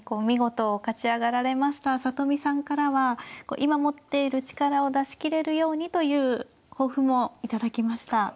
見事勝ち上がられました里見さんからは今持っている力を出し切れるようにという抱負も頂きました。